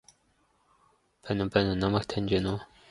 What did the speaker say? For a time the powder included a taurate-based surfactant.